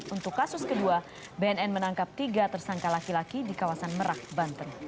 untuk kasus kedua bnn menangkap tiga tersangka laki laki di kawasan merak banten